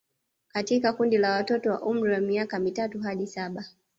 Katika kundi la watoto wa umri wa miaka mitatu hadi saba